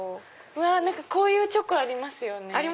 こういうチョコありますよね。